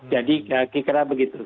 jadi kira kira begitu